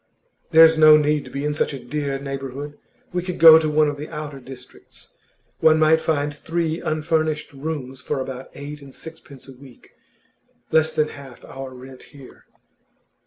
'There's no need to be in such a dear neighbourhood. We could go to one of the outer districts. One might find three unfurnished rooms for about eight and sixpence a week less than half our rent here.